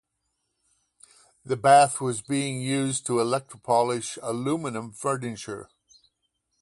The bath was being used to electro-polish aluminium furniture.